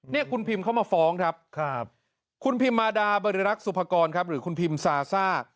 นี่คุณพิมเขามาฟ้องครับคุณพิมมาดาบริรักษ์สุภกรครับหรือคุณพิมซาซ่า